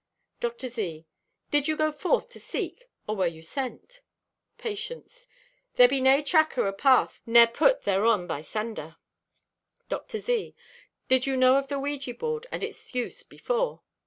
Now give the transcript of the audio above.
Dr. Z.—"Did you go forth to seek, or were you sent?" Patience.—"There be nay tracker o' path ne'er put thereon by sender." Dr. Z.—"Did you know of the ouija board and its use before?"